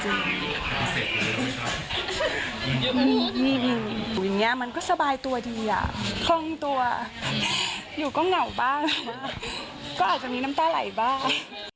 อย่างนี้มันก็สบายตัวดีอ่ะคล่องตัวหนูก็เหงาบ้างก็อาจจะมีน้ำตาไหลบ้าง